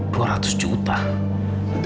diaya keseluruhan jantung aida itu